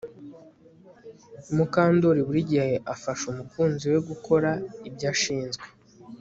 Mukandoli buri gihe afasha umukunzi we gukora ibyo ashinzwe